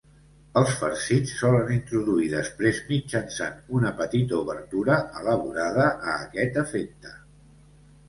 Els farcits solen introduir després mitjançant una petita obertura elaborada a aquest efecte.